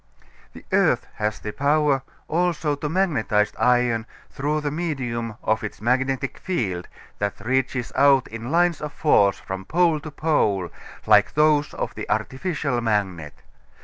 The earth has the power also to magnetize iron through the medium of its magnetic field, that reaches out in lines of force from pole to pole like those of the artificial magnet.